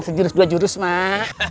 sejurus dua jurus mah